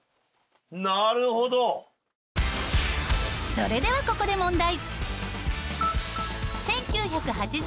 それではここで問題。